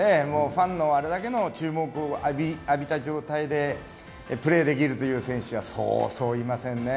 ファンのあれだけの注目を浴びた状態でプレーできる選手はそうそういませんね。